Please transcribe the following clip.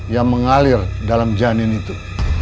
yang mengalir dalam janin itu